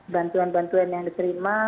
bantuan bantuan yang diterima